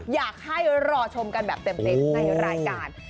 อยากให้รอชมกันแบบเต็มในรายการ